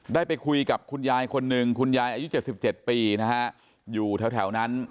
ได้ไปคุยกับคุณยายคนหนึ่งคุณยายอายุ๗๗ปีนะฮะอยู่แถวนั้น